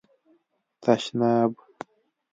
🚾 تشناب